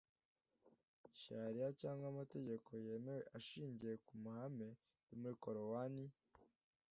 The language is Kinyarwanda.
Shariya cyangwa amategeko yemewe ashingiye ku mahame yo muri Korowani